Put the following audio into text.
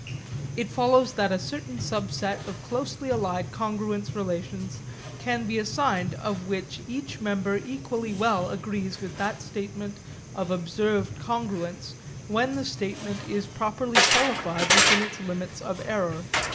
It follows that a certain subset of closely allied congruence relations can be assigned of which each member equally well agrees with that statement of observed congruence when the statement is properly qualified with its limits of error.